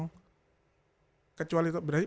kecuali itu berarti empat orang itu di depan ya itu serangan